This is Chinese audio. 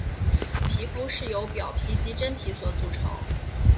皮肤是由表皮及真皮所组成。